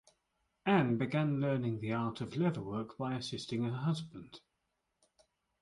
Ann began learning the art of leatherwork by assisting her husband.